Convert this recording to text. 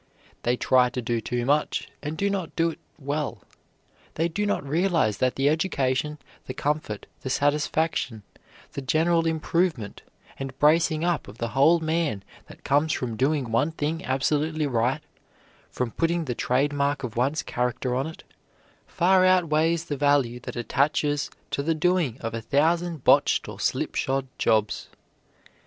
They try to do too much, and do not do it well. They do not realize that the education, the comfort, the satisfaction, the general improvement, and bracing up of the whole man that comes from doing one thing absolutely right, from putting the trade mark of one's character on it, far outweighs the value that attaches to the doing of a thousand botched or slipshod jobs.